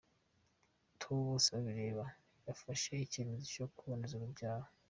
Theo Bosebabireba yafashe icyemezo cyo kuboneza urubyaro.